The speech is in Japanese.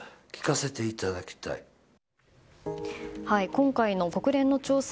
今回の国連の調査